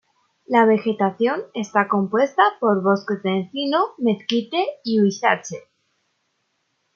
La vegetación está compuesta por bosques de encino, mezquite y huizache.